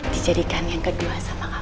dijadikan yang kedua sama allah